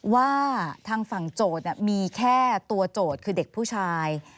ว่าทางฝั่งโจทย์มีแค่ตัวโจทย์คือเด็กผู้ชาย